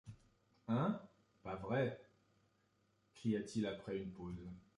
Hein! pas vrai? cria-t-il après une pause.